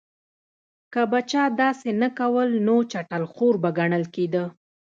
که به چا داسې نه کول نو چټل خور به ګڼل کېده.